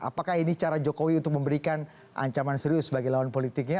apakah ini cara jokowi untuk memberikan ancaman serius bagi lawan politiknya